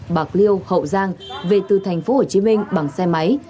bạc liêu hậu giang về từ thành phố hồ chí minh bằng xe máy